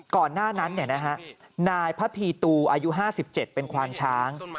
ก่อนหน้านั้นเนี้ยนะฮะนายพระพีตูอายุห้าสิบเจ็ดเป็นควานช้าง